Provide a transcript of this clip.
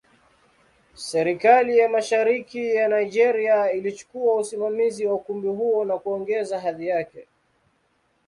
Serikali ya Mashariki ya Nigeria ilichukua usimamizi wa ukumbi huo na kuongeza hadhi yake.